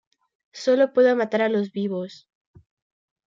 Solo puedo matar a los vivos".